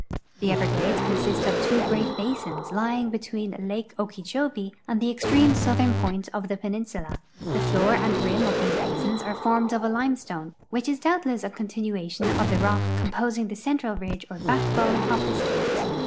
The Everglades consist of two great basins lying between lake Okeecliobee and the extreme southern point of tbe peninsula. The floor and rim of these basins are formed of a limestone which is doubtle.ss a continuation of the rock composing tbe central ridge or backbone of tbe state.